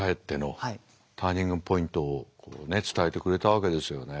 ターニングポイントを伝えてくれたわけですよね。